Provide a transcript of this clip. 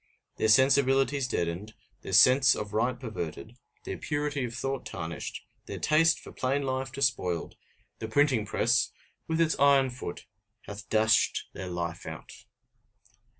Their sensibilities deadened, their sense of right perverted, their purity of thought tarnished, their taste for plain life despoiled the printing press, with its iron foot, hath dashed their life out!